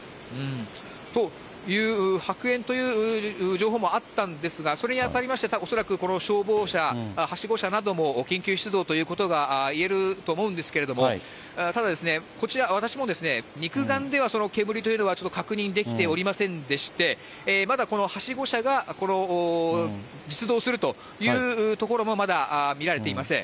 白煙という情報もあったんですが、それにあたりまして、恐らくこの消防車、はしご車なども緊急出動ということがいえると思うんですけれども、ただですね、こちら、私も肉眼ではその煙というのはちょっと確認できておりませんでして、まだこのはしご車が実動するというところもまだ見られていません。